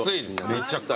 めちゃくちゃ。